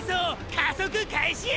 加速開始や！！